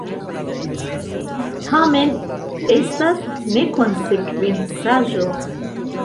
Tamen estas nekonsekvencaĵo.